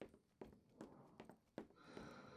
Se distribuye por ríos y lagos de China en el este de Asia.